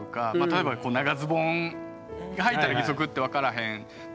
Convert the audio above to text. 例えば長ズボンはいたら義足って分からへんとかもあるし。